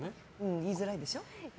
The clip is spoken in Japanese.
言いづらいでしょ？